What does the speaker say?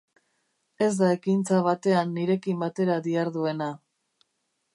Ez da ekintza batean nirekin batera diharduena.